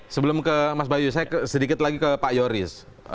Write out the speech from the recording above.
sebelum ke mas bayu saya sedikit lagi ke pak yoris